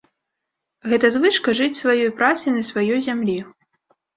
Гэта звычка жыць сваёй працай на сваёй зямлі.